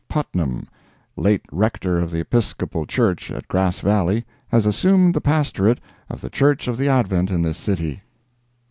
Putnam, late Rector of the Episcopal Church at Grass Valley, has assumed the pastorate of the Church of the Advent in this City.